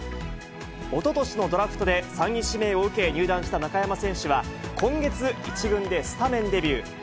おととしのドラフトで３位指名を受け入団した中山選手は、今月１軍でスタメンデビュー。